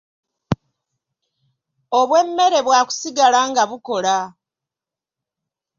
Obw’emmere bwakusigala nga bukola.